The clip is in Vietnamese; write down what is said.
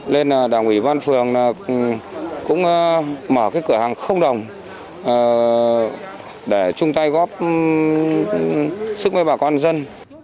nên đảng ủy ban phường cũng mở cửa hàng không đồng để chung tay góp sức với bà con dân